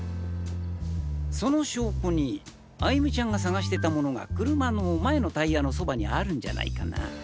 その証拠に歩美ちゃんが探してたモノが車の前のタイヤのそばにあるんじゃないかなぁ。